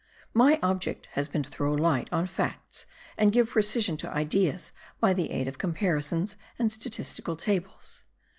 My object has been to throw light on facts and give precision to ideas by the aid of comparisons and statistical tables.